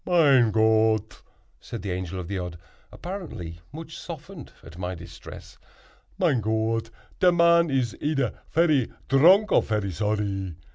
"Mein Gott!" said the Angel of the Odd, apparently much softened at my distress; "mein Gott, te man is eder ferry dronk or ferry zorry.